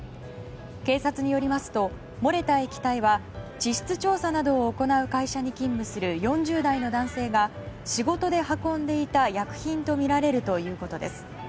警察によりますと漏れた液体は地質調査などを行う会社に勤務する４０代の男性が仕事で運んでいた薬品とみられるということです。